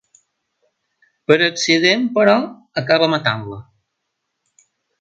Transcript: Per accident, però, acaba matant-la.